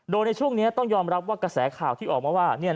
โดยในช่วงนี้ต้องยอมรับว่ากระแสข่าวที่ออกมาว่า